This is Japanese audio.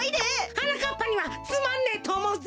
はなかっぱにはつまんねえとおもうぜ。